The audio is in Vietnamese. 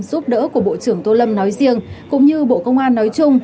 giúp đỡ của bộ trưởng tô lâm nói riêng cũng như bộ công an nói chung